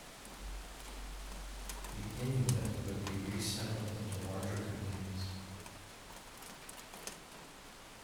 The Inuit would be resettled into larger communities.